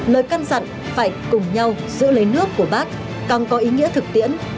lời căn dặn phải cùng nhau giữ lấy nước của bác càng có ý nghĩa thực tiễn